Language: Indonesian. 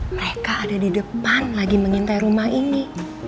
mereka ada di depan lagi mengintai rumah ini